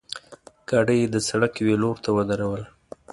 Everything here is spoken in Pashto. ګاډۍ یې د سړک یوې لورته ودروله.